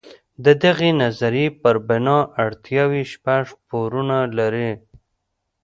د دغې نظریې پر بنا اړتیاوې شپږ پوړونه لري.